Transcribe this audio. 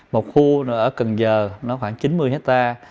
một khu nó ở cần giờ nó khoảng chín mươi hectare